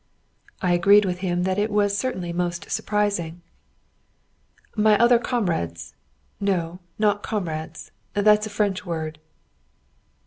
I agreed with him that it was certainly most surprising. "My other comrades no, not comrades, that's a French word."